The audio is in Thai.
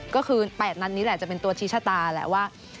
ก็คือ๘นัดนี้แหละจะเป็นตัวชี้ชะตาแหละว่า